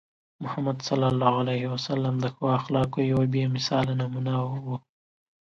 محمد صلى الله عليه وسلم د ښو اخلاقو یوه بې مثاله نمونه وو.